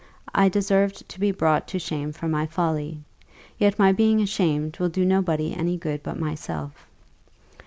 I deserve to be brought to shame for my folly; yet my being ashamed will do nobody any good but myself.